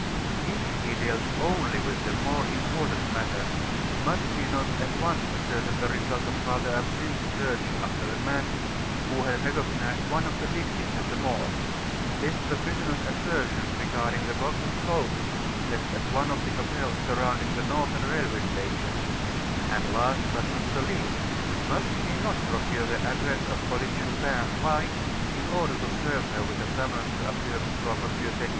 If he dealt only with the more important matters, must he not at once ascertain the result of Father Absinthe's search after the man who had recognized one of the victims at the Morgue; test the prisoner's assertions regarding the box of clothes left at one of the hotels surrounding the Northern Railway Station; and last, but not the least, must he not procure the address of Polyte Chupin's wife, in order to serve her with the summons to appear before M. Segmuller?